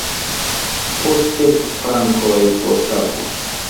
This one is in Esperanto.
Po sep frankoj por kapo!